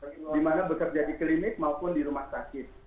di mana bekerja di klinik maupun di rumah sakit